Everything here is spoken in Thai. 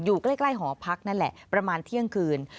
อยู่ใกล้หอพักนั่นแหละประมาณเที่ยงคืน